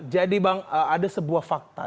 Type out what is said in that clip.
jadi bang ada sebuah fakta